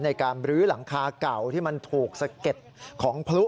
ในการบรื้อหลังคาเก่าที่มันถูกสะเก็ดของพลุ